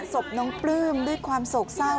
ศพน้องปลื้มด้วยความโศกเศร้า